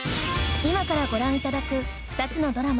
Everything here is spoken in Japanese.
今からご覧頂く２つのドラマ